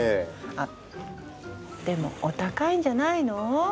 あでもお高いんじゃないの？